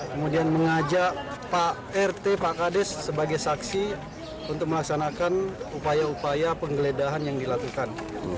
kemudian mengajak pak rt pak kades sebagai saksi untuk melaksanakan upaya upaya penggeledahan yang dilakukan